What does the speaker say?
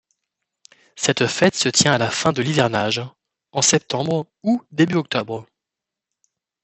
Cette fête se tient à la fin de l’hivernage, en septembre ou début octobre.